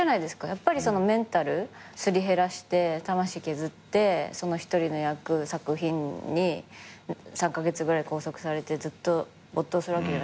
やっぱりメンタルすり減らして魂削ってその一人の役作品に３カ月ぐらい拘束されてずっと没頭するわけじゃないですか。